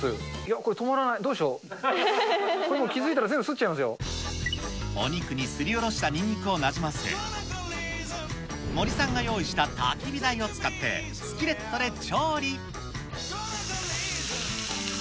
これ、もう気付いたら、全部すっお肉にすりおろしたニンニクをなじませ、森さんが用意したたき火台を使って、スキレットで調理。